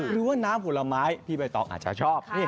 หรือว่าน้ำผุระไม้พี่ไปศักดิ์อาจจะชอบ